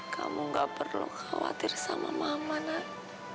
kamu gak perlu khawatir sama mama nak